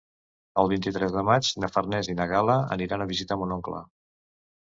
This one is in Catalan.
El vint-i-tres de maig na Farners i na Gal·la aniran a visitar mon oncle.